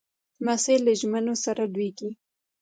لمسی له ژمنو سره لویېږي.